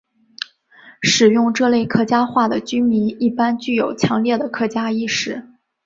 使用这类客家话的居民一般具有强烈的客家意识。